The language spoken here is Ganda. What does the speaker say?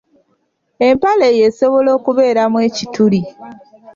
Empale eyo esobola okubeeramu ekituli.